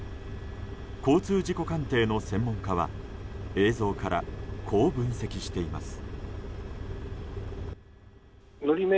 交通事故鑑定の専門家は映像からこう分析しています。